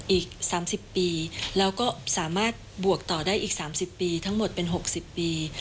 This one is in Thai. อีกสามสิบปีแล้วก็สามารถบวกต่อได้อีกสามสิบปีทั้งหมดเป็นหกสิบปี